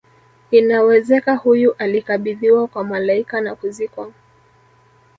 inawezeka huyu alikabidhiwa kwa malaika na kuzikwa